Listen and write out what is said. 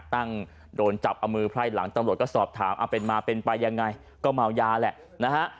โดนจับเอามือไพร่หลังตำรวจก็สอบถามเอาเป็นมาเป็นไปยังไงก็เมายาแหละนะฮะ